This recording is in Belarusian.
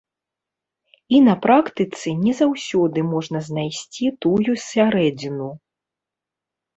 І на практыцы не заўсёды можна знайсці тую сярэдзіну.